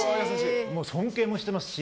尊敬もしてますし。